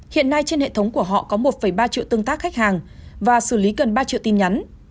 hiện nay trên hệ thống của họ có một ba triệu tương tác khách hàng và xử lý gần ba triệu tin nhắn